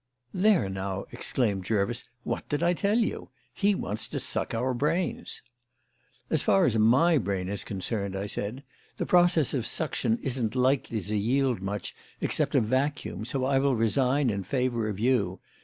"There now," exclaimed Jervis, "what did I tell you? He wants to suck our brains." "As far as my brain is concerned," I said, "the process of suction isn't likely to yield much except a vacuum, so I will resign in favour of you.